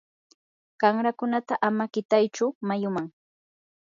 qanrakunata ama qitaychu mayuman.